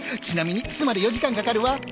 ちなみに巣まで４時間かかるわ。